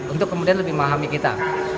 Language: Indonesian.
untuk kemudian lebih memahami kita